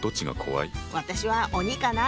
私は鬼かな？